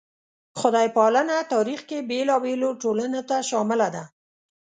خدای پالنه تاریخ کې بېلابېلو ټولنو ته شامله ده.